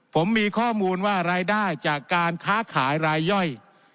ผมมีข้อมูลว่ารายได้จากการค้าขายรายย่อย